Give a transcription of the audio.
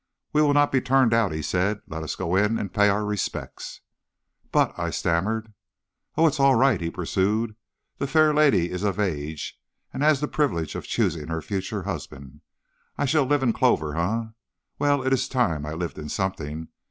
"'We will not be turned out,' he said. 'Let us go in and pay our respects.' "'But,' I stammered. "'Oh, it's all right,' he pursued. 'The fair lady is of age and has the privilege of choosing her future husband. I shall live in clover, eh? Well, it is time I lived in something.